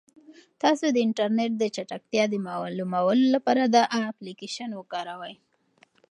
تاسو د انټرنیټ د چټکتیا د معلومولو لپاره دا اپلیکیشن وکاروئ.